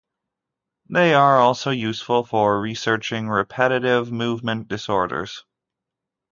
They are also useful for researching repetitive movement disorders.